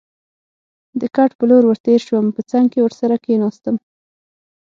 د کټ په لور ور تېر شوم، په څنګ کې ورسره کېناستم.